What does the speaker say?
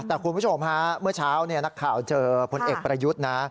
แต่คุณผู้ชมฮะเมื่อเช้านักข่าวเจอพลเอกประยุทธ์นะ